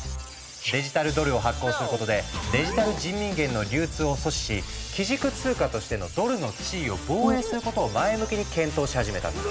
デジタルドルを発行することでデジタル人民元の流通を阻止し基軸通貨としてのドルの地位を防衛することを前向きに検討し始めたんだ。